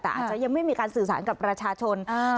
แต่อาจจะยังไม่มีการสื่อสารกับประชาชน